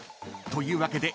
というわけで］